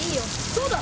そうだ！